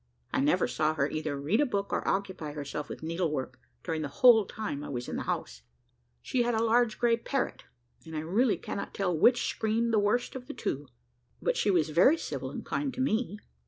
I never saw her either read a book or occupy herself with needlework, during the whole time I was in the house. She had a large grey parrot and I really cannot tell which screamed the worst of the two but she was very civil and kind to me.